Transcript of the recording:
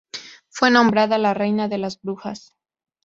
Fue nombrada la reina de las brujas.